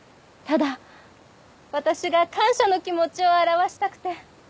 ただ私が感謝の気持ちを表したくて。